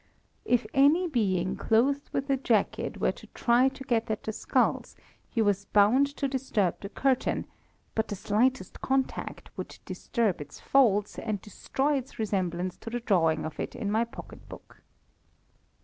If any being, clothed with a jacket, were to try to get at the skulls, he was bound to disturb the curtain; but the slightest contact would disturb its folds, and destroy its resemblance to the drawing of it in my pocket book.